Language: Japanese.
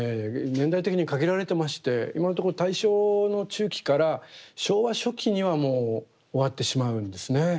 年代的に限られてまして今のところ大正の中期から昭和初期にはもう終わってしまうんですね。